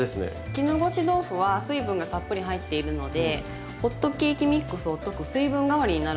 絹ごし豆腐は水分がたっぷり入っているのでホットケーキミックスを溶く水分代わりになるんですよ。